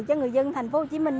cho người dân thành phố hồ chí minh